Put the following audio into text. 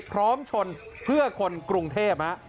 พร้อมชนเพื่อคนกรุงเทพฯ